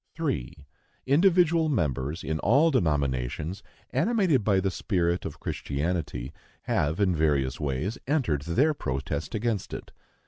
3. Individual members, in all denominations, animated by the spirit of Christianity, have in various ways entered their protest against it.